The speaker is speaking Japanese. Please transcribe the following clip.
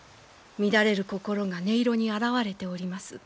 乱れる心が音色に表れております。